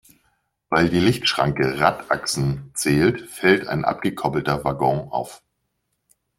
Weil die Lichtschranke Radachsen zählt, fällt ein abgekoppelter Waggon auf.